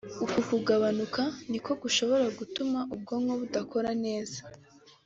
uku kugabanuka niko gushobora gutuma ubwonko budakora neza